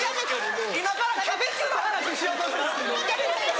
今からキャベツの話しようと？